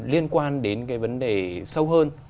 liên quan đến cái vấn đề sâu hơn